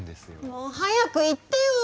もう早く言ってよ！